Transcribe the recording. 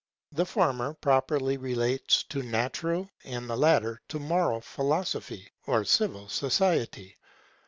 The former properly relates to natural, and the latter to moral philosophy, or civil society.